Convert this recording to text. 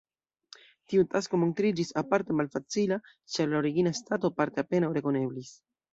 Tiu tasko montriĝis aparte malfacila, ĉar la origina stato parte apenaŭ rekoneblis.